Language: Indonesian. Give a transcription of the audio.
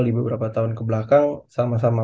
di beberapa tahun kebelakang sama sama